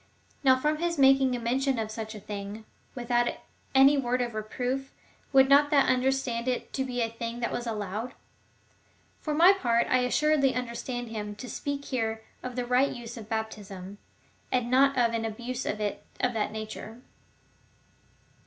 Now from his making mention of such a thing without any word of reproof, who would not under stand it to be a thing that was allowed ? For my part, I assuredly understand him to speak here of the right use of baptism, and not of an abuse of it of that nature.